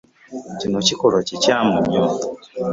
Kino kikolwa kikyamu nnyo.